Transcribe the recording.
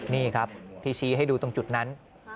นี่ครับที่ชี้ให้ดูตรงจุดนั้น